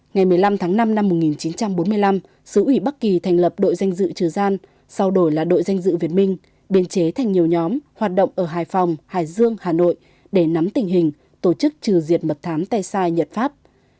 ngày một mươi năm tháng năm năm một nghìn chín trăm bốn mươi năm sứ ủy bắc kỳ thành lập đội danh dự trờ gian sau đổi là đội danh dự việt minh biên chế thành nhiều nhóm hoạt động ở hải phòng hải dương hà nội để nắm tình hình tổ chức trừ diệt mật thám tay sai nhật pháp